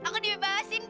ini aku dibebasin di